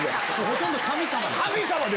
ほとんど神様。